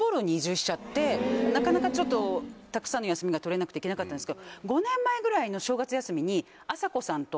なかなかちょっとたくさんの休みが取れなくて行けなかったんですけど５年ぐらい前の正月休みに。